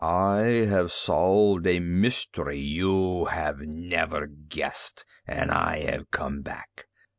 I have solved a mystery you have never guessed and I have come back.